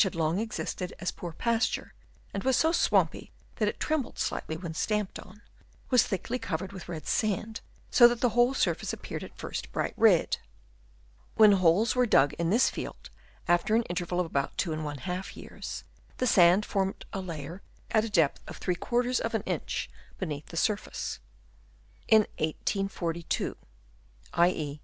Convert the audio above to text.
137 long existed as poor pasture and was so swampy that it trembled slightly when stamped on, was thickly covered with red sand so that the whole surface appeared at first bright red. When holes were dug in this field after an interval of about 2 J years, the sand formed a layer at a depth of § in. beneath the surface. In 1842 (i.e.